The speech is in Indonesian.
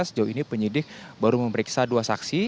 sejauh ini penyidik baru memeriksa dua saksi